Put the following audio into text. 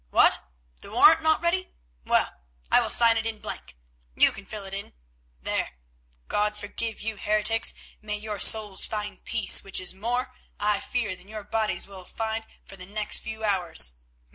What? The warrant not ready? Well, I will sign it in blank. You can fill it in. There. God forgive you, heretics; may your souls find peace, which is more, I fear, than your bodies will for the next few hours.